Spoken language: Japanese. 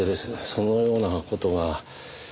そのような事は。